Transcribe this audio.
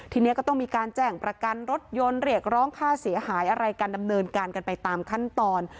ทีนี้ก็ต้องมีการแจ้งประกันรถยนต์เรียกร้องค่าเสียหายอะไรกันดำเนินการกันไปตามขั้นตอน